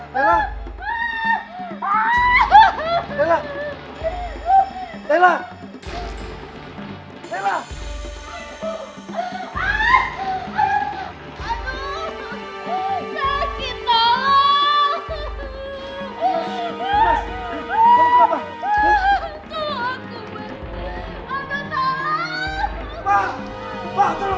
marah siapa yang teriak teriak minta tolong